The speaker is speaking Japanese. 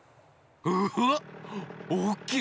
うわっおおきい！